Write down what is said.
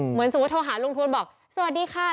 เหมือนสมมุติโทรหาลุงทวนบอกสวัสดีค่ะ